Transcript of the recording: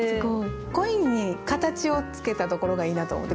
恋に形をつけたところがいいなと思って。